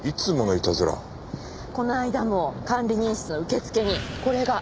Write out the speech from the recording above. この間も管理人室の受付にこれが。